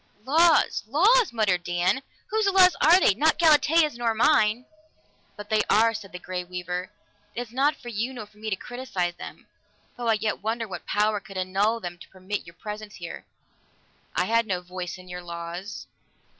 "Laws! Laws!" muttered Dan. "Whose laws are they? Not Galatea's nor mine!" "But they are," said the Grey Weaver. "It is not for you nor for me to criticize them though I yet wonder what power could annul them to permit your presence here!" "I had no voice in your laws."